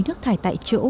nước thải tại chỗ